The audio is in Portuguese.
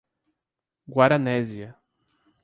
Guaranésia